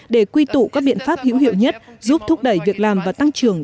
để quy tụ các biện pháp hữu hiệu nhất giúp thúc đẩy việc làm và tăng trưởng